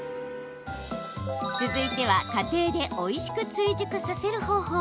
続いては家庭でおいしく追熟させる方法。